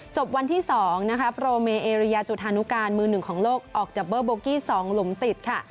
จบวันที่๒นะคะโปรเมเอเรียจุธานุการมือหนึ่งของโลกออกจากเบอร์โบกี้๒หลุมติดค่ะ